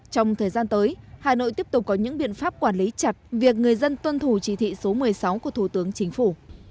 trong thời gian tới hà nội tiếp tục có những biện pháp quản lý chặt việc người dân tuân thủ chỉ thị số một mươi sáu của thủ tướng chính phủ